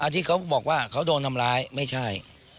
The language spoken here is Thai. ที่เขาบอกว่าเขาโดนทำร้ายไม่ใช่